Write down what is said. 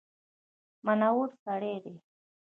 منور سړی دی.